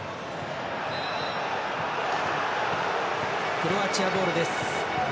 クロアチアボールです。